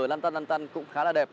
lăn tăn lăn tăn cũng khá là đẹp